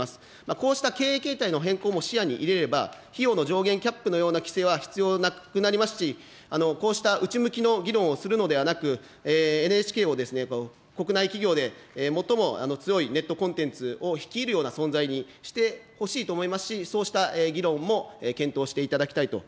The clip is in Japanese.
こうした経営形態の変更も視野に入れれば、費用の上限キャップのような規制は必要なくなりますし、こうした内向きの議論をするのではなく、ＮＨＫを国内企業で最も強いネットコンテンツを率いるような存在にしてほしいと思いますし、そうした議論も検討していただきたいと思います。